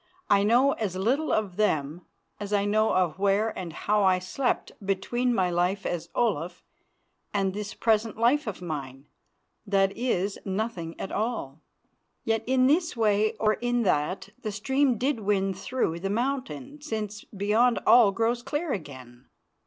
I know as little of them as I know of where and how I slept between my life as Olaf and this present life of mine; that is, nothing at all. Yet in this way or in that the stream did win through the mountain, since beyond all grows clear again.